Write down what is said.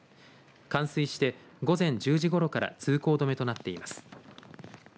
冠水して午前１０時ごろから通行止めとなっています。